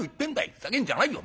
ふざけんじゃないよ。